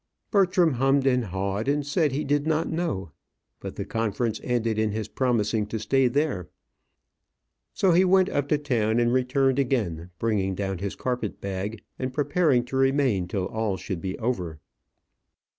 Bertram hummed and hawed, and said he did not know. But the conference ended in his promising to stay there. So he went up to town, and returned again bringing down his carpet bag, and preparing to remain till all should be over.